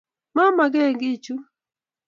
Memakekiy chun